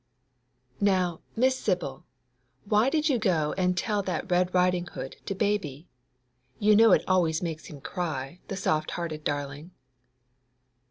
* 'Now, Miss Sibyl, why did you go and tell that "Red Riding hood" to Baby? You know it always makes him cry, the soft hearted darling!